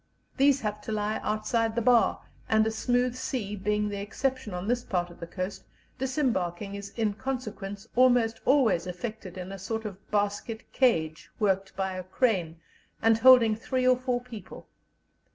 These have to lie outside the bar, and a smooth sea being the exception on this part of the coast, disembarking is in consequence almost always effected in a sort of basket cage, worked by a crane, and holding three or four people.